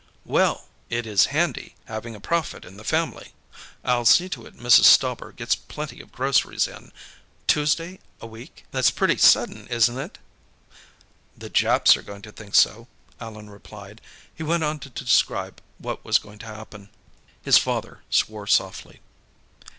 "Well! It is handy, having a prophet in the family! I'll see to it Mrs. Stauber gets plenty of groceries in.... Tuesday a week? That's pretty sudden, isn't it?" "The Japs are going to think so," Allan replied. He went on to describe what was going to happen. His father swore softly.